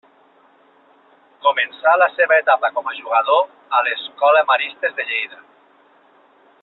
Començà la seva etapa com a jugador a l'escola Maristes de Lleida.